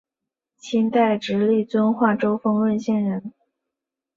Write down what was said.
清代直隶遵化州丰润县人。